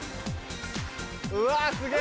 うわすげぇ！